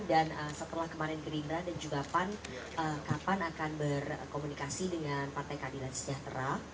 dan setelah kemarin gerindra dan juga pan kapan akan berkomunikasi dengan partai kadilan sejahtera